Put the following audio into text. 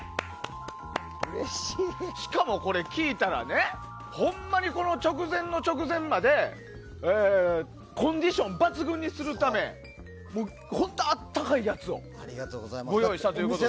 しかもこれ、聞いたらほんまに直前の直前までコンディション抜群にするため本当、温かいやつをご用意したということで。